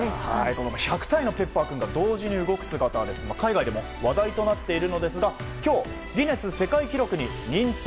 １００体のＰｅｐｐｅｒ君が動く姿は海外でも話題となっているのですが今日、ギネス世界記録に認定。